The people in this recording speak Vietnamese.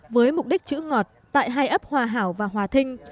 với mục đích chữ ngọt tại hai ấp hòa hảo và hòa thinh